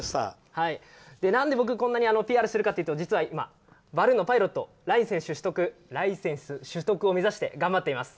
なんで僕、こんなにＰＲするかっていうと実は今、バルーンのパイロットのライセンス取得を目指して頑張っています。